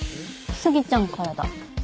杉ちゃんからだ。